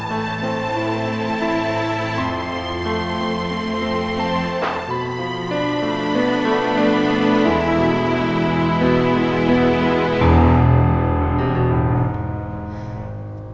aku pengen hidup